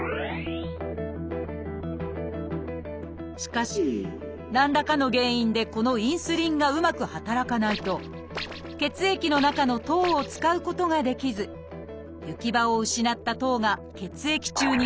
しかし何らかの原因でこのインスリンがうまく働かないと血液の中の糖を使うことができず行き場を失った糖が血液中に増え過ぎ